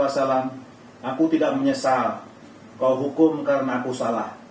aku tidak menyesal kau hukum karena aku salah